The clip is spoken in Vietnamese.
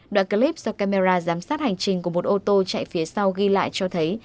đoạn clip do camera giám sát hành trình của một ô tô chạy phía sau ghi lại cho thấy